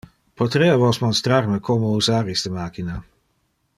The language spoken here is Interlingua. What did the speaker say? Poterea vos monstrar me como usar iste machina?